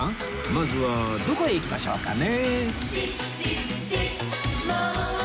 まずはどこへ行きましょうかね？